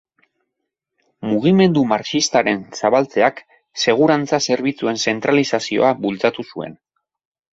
Mugimendu marxistaren zabaltzeak, segurantza zerbitzuen zentralizazioa bultzatu zuen.